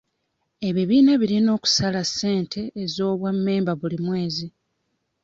Ebibiina birina okusala ssente z'obwa mmemba buli mwezi.